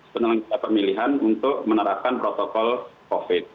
penyelenggara pemilihan untuk menerapkan protokol covid